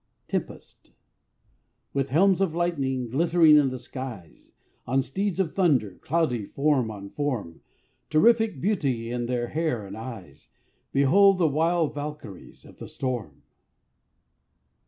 TEMPEST. With helms of lightning, glittering in the skies, On steeds of thunder, cloudy form on form, Terrific beauty in their hair and eyes, Behold the wild Valkyries of the storm.